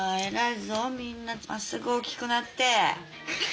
偉いぞみんな真っすぐ大きくなって。